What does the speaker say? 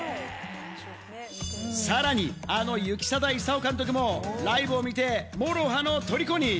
さらにあの行定勲監督もライブを見て、ＭＯＲＯＨＡのとりこに。